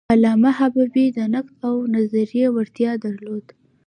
علامه حبیبي د نقد او نظریې وړتیا درلوده.